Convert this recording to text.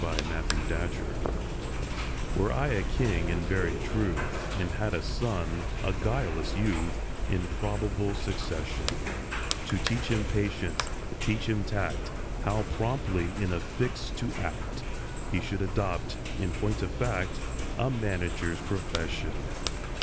A MANAGER'S PERPLEXITIES WERE I a king in very truth, And had a son—a guileless youth— In probable succession; To teach him patience, teach him tact, How promptly in a fix to act, He should adopt, in point of fact, A manager's profession.